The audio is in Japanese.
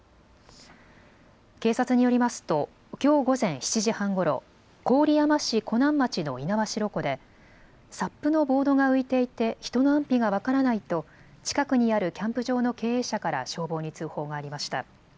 警察によりますときょう午前７時半ごろ、郡山市湖南町の猪苗代湖でサップのボードが浮いていて人の安否が分からないと近くにあるキャンプ場の経営者から消防に通報がありました。